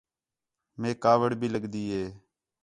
میک کاوِڑ بھی لڳدی ہے